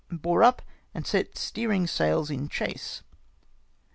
Bore up and set steering sails in chase.